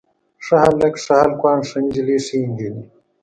ښه هلک، ښه هلکان، ښه نجلۍ ښې نجونې.